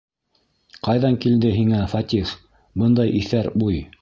Ҡайҙан килде һиңә, Фәтих, бындай иҫәр уй?